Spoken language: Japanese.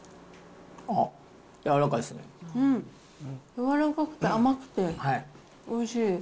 柔らかくて甘くておいしいです。